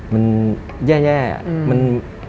มันแย่มัน